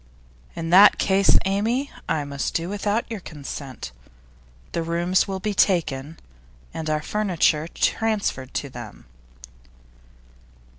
'In that case, Amy, I must do without your consent. The rooms will be taken, and our furniture transferred to them.